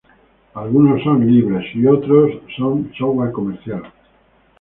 Algunos son gratuitos y otros son software comercial.